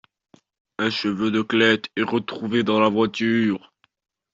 Un cheveu de Klette est retrouvée dans la voiture.